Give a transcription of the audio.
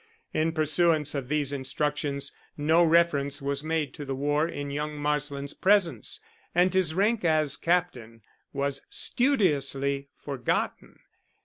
In pursuance of these instructions no reference was made to the war in young Marsland's presence, and his rank as captain was studiously forgotten.